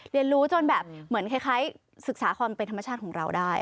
เรียนรู้จนแบบเหมือนคล้ายศึกษาความเป็นธรรมชาติของเราได้